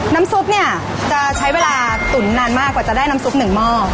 น้ำซุปเนี่ยจะใช้เวลาตุ๋นนานมากกว่าจะได้น้ำซุปหนึ่งหม้อ